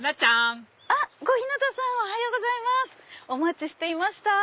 お待ちしていました。